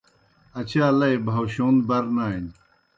اچا لئی بھاؤشَون بر نانیْ۔